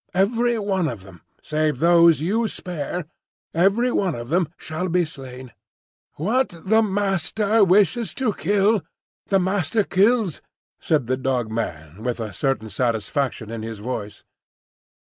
Every one of them save those you spare, every one of them shall be slain." "What the Master wishes to kill, the Master kills," said the Dog man with a certain satisfaction in his voice.